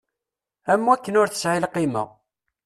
Am wakken ur tesɛi lqima.